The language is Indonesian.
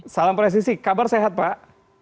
salam presisi kabar sehat pak